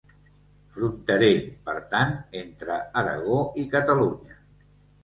Fronterer, per tant, entre Aragó i Catalunya.